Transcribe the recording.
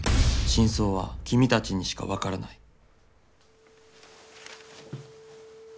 「真相は君たちにしかわからない」。